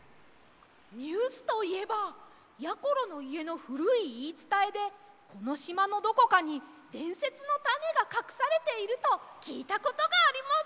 ニュースといえばやころのいえのふるいいいつたえでこのしまのどこかにでんせつのタネがかくされているときいたことがあります！